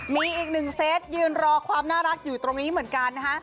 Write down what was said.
มีอีกหนึ่งเซตยืนรอความน่ารักอยู่ตรงนี้เหมือนกันนะคะ